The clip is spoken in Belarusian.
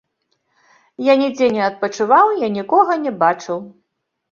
Я нідзе не адпачываў, я нікога не бачыў.